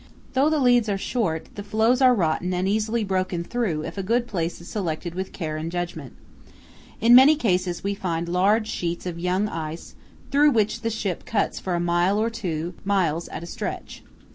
"Though the leads are short, the floes are rotten and easily broken through if a good place is selected with care and judgment. In many cases we find large sheets of young ice through which the ship cuts for a mile or two miles at a stretch.